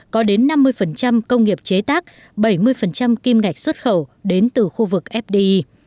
có đến năm mươi công nghiệp chế tác bảy mươi kim ngạch xuất khẩu đến từ khu vực fdi